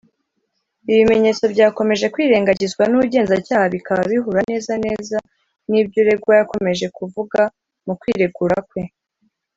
Ibi bimenyetso byakomeje kwirengagizwa n’ubugenzacyaha bikaba bihura neza neza n’ibyo uregwa yakomeje kuvuga mu kwiregura kwe